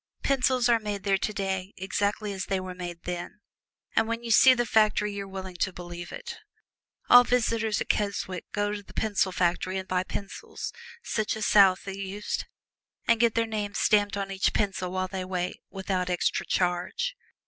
Pencils are made there today exactly as they were made then, and when you see the factory you are willing to believe it. All visitors at Keswick go to the pencil factory and buy pencils, such as Southey used, and get their names stamped on each pencil while they wait, without extra charge.